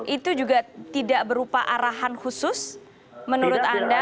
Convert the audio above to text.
itu juga tidak berupa arahan khusus menurut anda